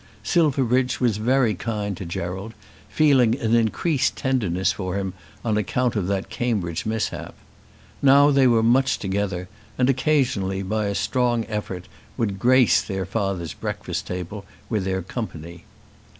Silverbridge was very kind to Gerald, feeling an increased tenderness for him on account of that Cambridge mishap. Now they were much together, and occasionally, by a strong effort, would grace their father's breakfast table with their company.